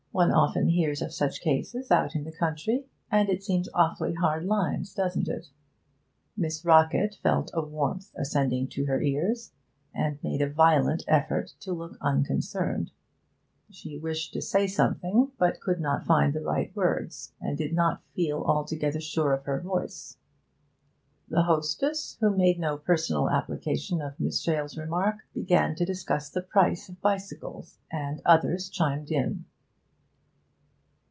One often hears of such cases out in the country, and it seems awfully hard lines, doesn't it?' Miss Rockett felt a warmth ascending to her ears, and made a violent effort to look unconcerned. She wished to say something, but could not find the right words, and did not feel altogether sure of her voice. The hostess, who made no personal application of Miss Shale's remark, began to discuss the prices of bicycles, and others chimed in.